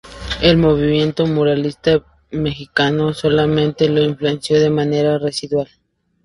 El movimiento muralista mexicano solamente lo influenció de manera residual.